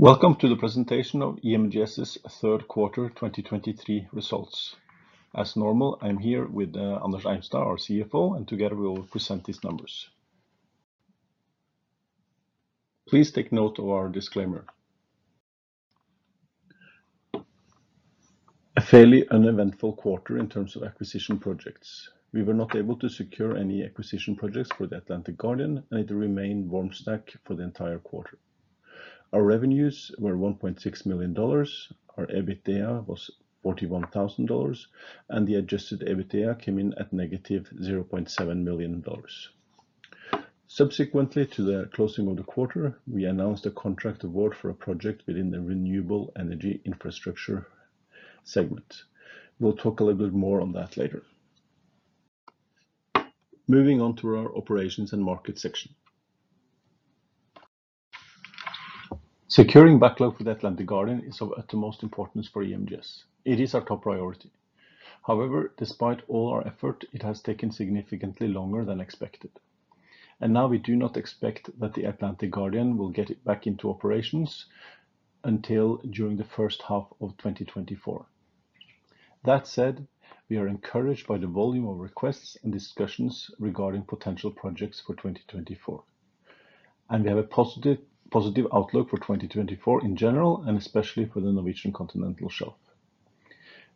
Welcome to the presentation of EMGS's third quarter 2023 results. As normal, I'm here with Anders Eimstad, our CFO, and together we will present these numbers. Please take note of our disclaimer. A fairly uneventful quarter in terms of acquisition projects. We were not able to secure any acquisition projects for the Atlantic Guardian, and it remained warm stack for the entire quarter. Our revenues were $1.6 million, our EBITDA was $41,000, and the adjusted EBITDA came in at -$0.7 million. Subsequently to the closing of the quarter, we announced a contract award for a project within the renewable energy infrastructure segment. We'll talk a little bit more on that later. Moving on to our operations and market section. Securing backlog for the Atlantic Guardian is of utmost importance for EMGS. It is our top priority. However, despite all our effort, it has taken significantly longer than expected, and now we do not expect that the Atlantic Guardian will get it back into operations until during the first half of 2024. That said, we are encouraged by the volume of requests and discussions regarding potential projects for 2024, and we have a positive, positive outlook for 2024 in general, and especially for the Norwegian Continental Shelf.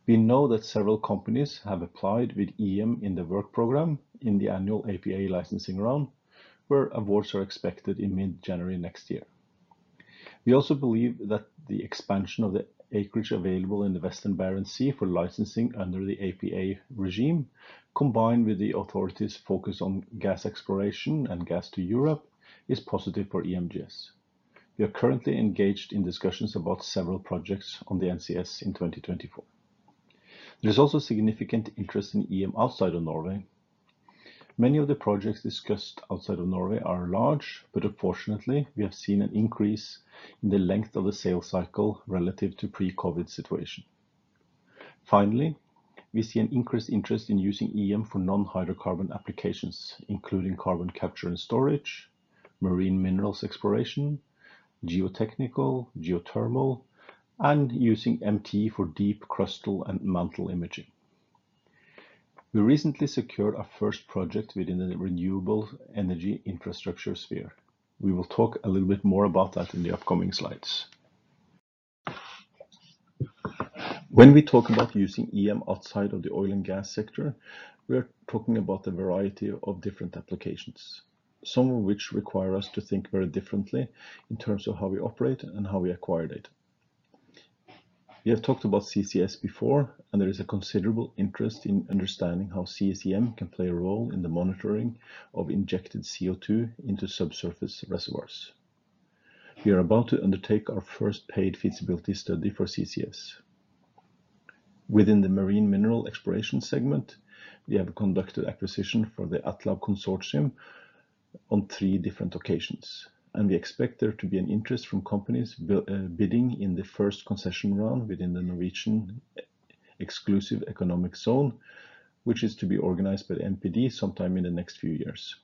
We know that several companies have applied with EM in the work programs in the annual APA licensing round, where awards are expected in mid-January next year. We also believe that the expansion of the acreage available in the Western Barents Sea for licensing under the APA regime, combined with the authorities' focus on gas exploration and gas to Europe, is positive for EMGS. We are currently engaged in discussions about several projects on the NCS in 2024. There is also significant interest in EM outside of Norway. Many of the projects discussed outside of Norway are large, but unfortunately, we have seen an increase in the length of the sales cycle relative to pre-COVID situation. Finally, we see an increased interest in using EM for non-hydrocarbon applications, including carbon capture and storage, marine minerals exploration, geotechnical, geothermal, and using MT for deep crustal and mantle imaging. We recently secured our first project within the renewable energy infrastructure sphere. We will talk a little bit more about that in the upcoming slides. When we talk about using EM outside of the oil and gas sector, we are talking about a variety of different applications, some of which require us to think very differently in terms of how we operate and how we acquire data. We have talked about CCS before, and there is a considerable interest in understanding how CSEM can play a role in the monitoring of injected CO2 into subsurface reservoirs. We are about to undertake our first paid feasibility study for CCS. Within the marine mineral exploration segment, we have conducted acquisition for the ATLAB Consortium on three different occasions, and we expect there to be an interest from companies bidding in the first concession round within the Norwegian Exclusive Economic Zone, which is to be organized by NPD sometime in the next few years.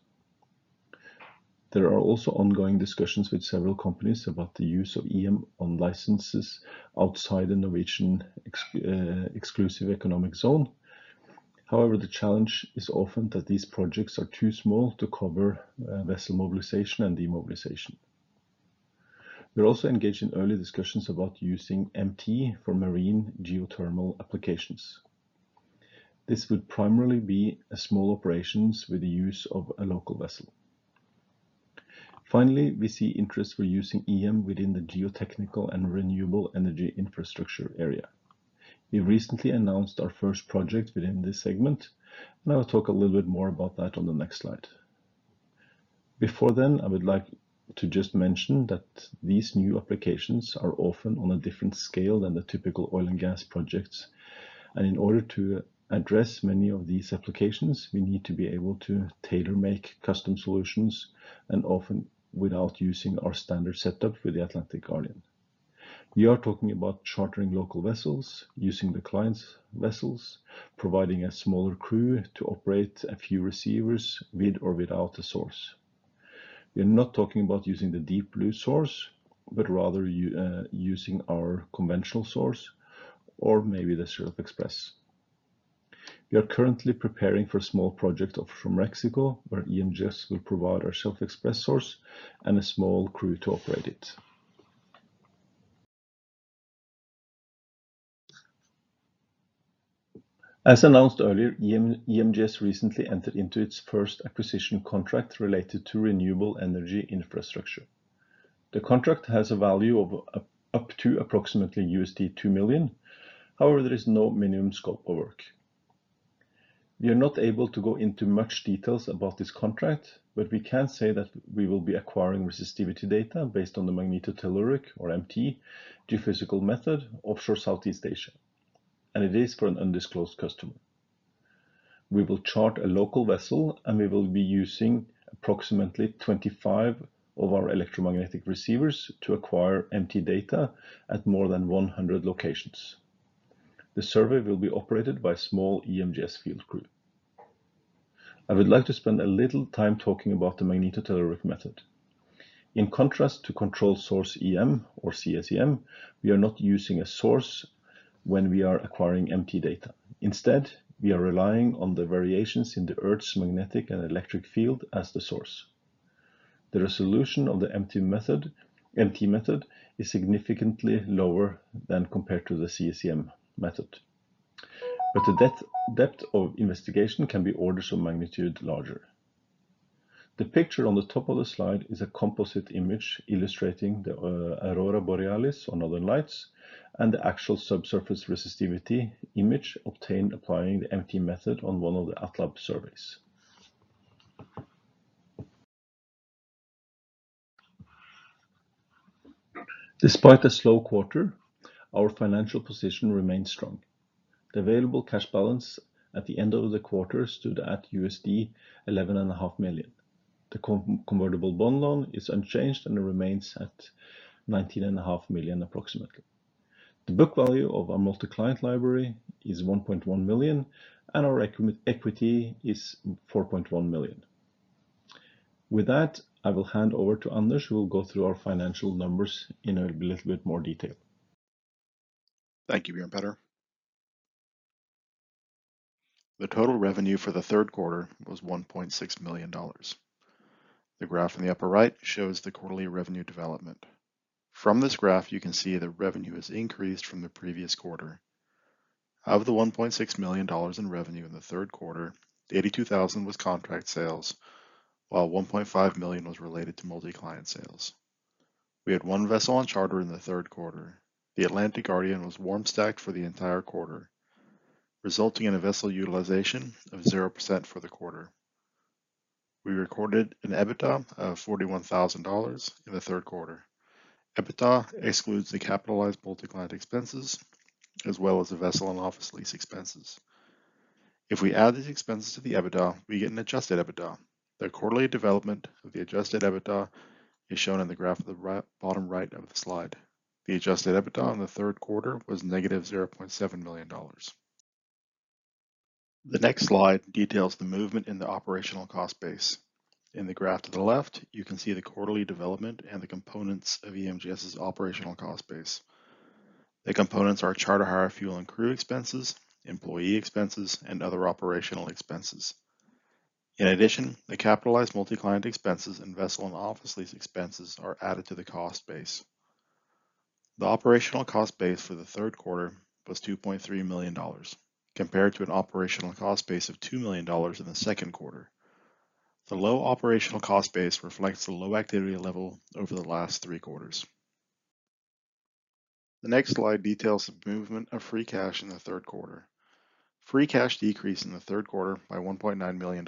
There are also ongoing discussions with several companies about the use of EM on licenses outside the Norwegian Exclusive Economic Zone. However, the challenge is often that these projects are too small to cover vessel mobilization and demobilization. We're also engaged in early discussions about using MT for marine geothermal applications. This would primarily be small operations with the use of a local vessel. Finally, we see interest for using EM within the geotechnical and renewable energy infrastructure area. We recently announced our first project within this segment, and I will talk a little bit more about that on the next slide. Before then, I would like to just mention that these new applications are often on a different scale than the typical oil and gas projects, and in order to address many of these applications, we need to be able to tailor-make custom solutions, and often without using our standard setup with the Atlantic Guardian. We are talking about chartering local vessels, using the client's vessels, providing a smaller crew to operate a few receivers with or without a source. We are not talking about using the Deep Blue source, but rather using our conventional source or maybe the Shelf Express. We are currently preparing for a small project off from Mexico, where EMGS will provide our Shelf Express source and a small crew to operate it. As announced earlier, EMGS recently entered into its first acquisition contract related to renewable energy infrastructure. The contract has a value of up to approximately $2 million. However, there is no minimum scope of work. We are not able to go into much details about this contract, but we can say that we will be acquiring resistivity data based on the magnetotelluric, or MT, geophysical method offshore Southeast Asia, and it is for an undisclosed customer. We will charter a local vessel, and we will be using approximately 25 of our electromagnetic receivers to acquire MT data at more than 100 locations. The survey will be operated by a small EMGS field crew. I would like to spend a little time talking about the magnetotelluric method. In contrast to controlled source EM, or CSEM, we are not using a source when we are acquiring MT data. Instead, we are relying on the variations in the Earth's magnetic and electric field as the source. The resolution of the MT method is significantly lower than compared to the CSEM method, but the depth of investigation can be orders of magnitude larger. The picture on the top of the slide is a composite image illustrating the Aurora Borealis or Northern Lights, and the actual subsurface resistivity image obtained applying the MT method on one of the ATLAB surveys. Despite the slow quarter, our financial position remains strong. The available cash balance at the end of the quarter stood at $11.5 million. The convertible bond loan is unchanged and remains at $19.5 million approximately. The book value of our multi-client library is $1.1 million, and our equity is $4.1 million. With that, I will hand over to Anders, who will go through our financial numbers in a little bit more detail. Thank you, Bjørn Petter. The total revenue for the third quarter was $1.6 million. The graph in the upper right shows the quarterly revenue development, from this graph, you can see the revenue has increased from the previous quarter. Out of the $1.6 million in revenue in the third quarter, $82,000 was contract sales, while $1.5 million was related to multi-client sales. We had one vessel on charter in the third quarter. The Atlantic Guardian was warm stacked for the entire quarter, resulting in a vessel utilization of 0% for the quarter. We recorded an EBITDA of $41,000 in the third quarter. EBITDA excludes the capitalized multi-client expenses, as well as the vessel and office lease expenses. If we add these expenses to the EBITDA, we get an adjusted EBITDA. The quarterly development of the adjusted EBITDA is shown in the graph at the right, bottom right of the slide. The adjusted EBITDA in the third quarter was -$0.7 million. The next slide details the movement in the operational cost base. In the graph to the left, you can see the quarterly development and the components of EMGS's operational cost base. The components are charter hire, fuel and crew expenses, employee expenses, and other operational expenses. In addition, the capitalized multi-client expenses and vessel and office lease expenses are added to the cost base. The operational cost base for the third quarter was $2.3 million, compared to an operational cost base of $2 million in the second quarter. The low operational cost base reflects the low activity level over the last three quarters. The next slide details the movement of free cash in the third quarter. Free cash decreased in the third quarter by $1.9 million.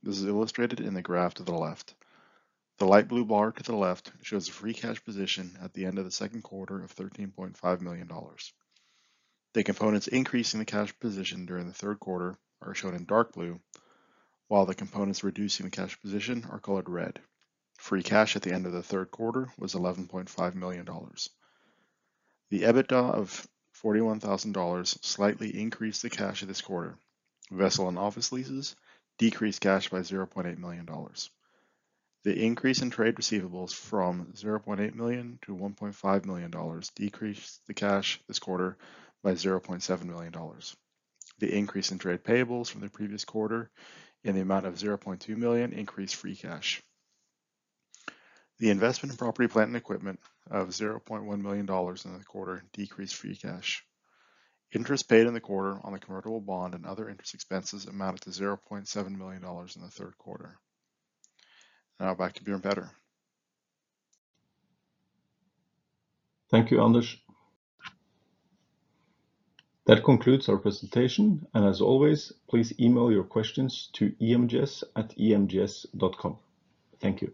This is illustrated in the graph to the left. The light blue bar to the left shows a free cash position at the end of the second quarter of $13.5 million. The components increasing the cash position during the third quarter are shown in dark blue, while the components reducing the cash position are colored red. Free cash at the end of the third quarter was $11.5 million. The EBITDA of $41,000 slightly increased the cash this quarter. Vessel and office leases decreased cash by $0.8 million. The increase in trade receivables from $0.8 million to $1.5 million decreased the cash this quarter by $0.7 million. The increase in trade payables from the previous quarter in the amount of $0.2 million increased free cash. The investment in property, plant, and equipment of $0.1 million in the quarter decreased free cash. Interest paid in the quarter on the convertible bond and other interest expenses amounted to $0.7 million in the third quarter. Now back to Bjørn Petter. Thank you, Anders. That concludes our presentation, and as always, please email your questions to emgs@emgs.com. Thank you.